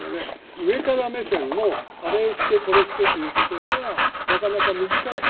上から目線のあれして、これしてということではなかなか難しい。